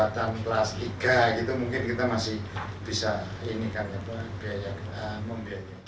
dan kelas tiga gitu mungkin kita masih bisa ini kan membiayai